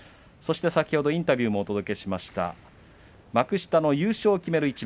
そして先ほどインタビューもお届けしました幕下の優勝を決める